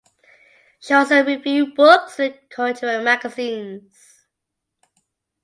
She also reviewed books and cultural magazines.